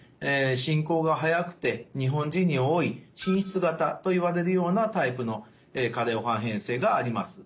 進行が速くて日本人に多い滲出型といわれるようなタイプの加齢黄斑変性があります。